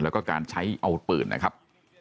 แล้วก็การใช้อาวุธปืนนะครับ